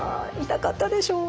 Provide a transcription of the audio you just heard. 痛かったでしょう？